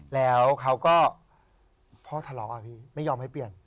แล้วเขาก็พ่อทะเลาะอะพี่ไม่ยอมให้เปลี่ยน